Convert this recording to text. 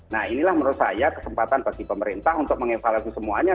nah inilah menurut saya kesempatan bagi pemerintah untuk mengevaluasi semuanya